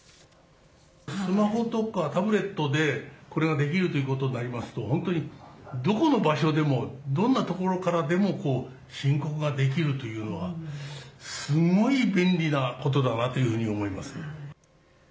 スマホとかタブレットでこれができるということになりますと、本当にどこの場所でも、どんな所からでも、申告ができるというのは、すごい便利なことだなというふうに思います。